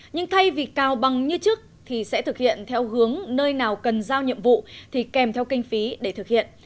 nhưng thay vì cao bằng như trước thì sẽ thực hiện theo hướng nơi nào cần giao nhiệm vụ thì kèm theo kinh phí để thực hiện